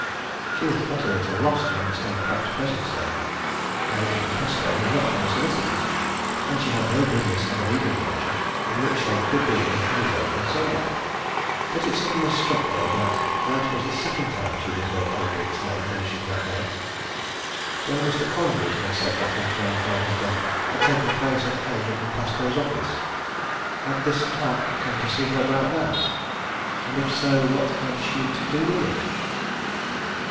She was utterly at a loss to understand Pratt's presence there. Eldrick & Pascoe were not her solicitors, and she had no business of a legal nature in which they could be in any way concerned. But it suddenly struck her that that was the second time she had heard Eldrick's name mentioned that day young Mr. Collingwood had said that his grandfather's death had taken place at Eldrick & Pascoe's office. Had this clerk come to see her about that? and if so, what had she to do with it?